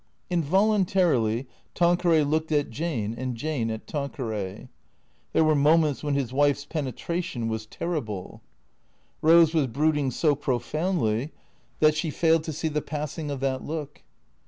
Involuntarily Tanqueray looked at Jane and Jane at Tanque ray. There were moments when his wife's penetration was terrible. 370 THE CEEATOES Eose was brooding so profoundly that she failed to see the passing of that look.